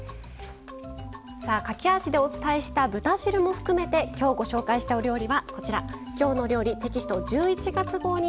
さあ駆け足でお伝えした豚汁も含めて今日ご紹介したお料理はこちら「きょうの料理」テキスト１１月号に載っています。